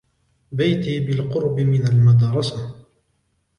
بيتي بالقُرب من المدرسة.